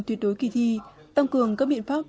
tuyệt đối kỳ thi tăng cường các biện pháp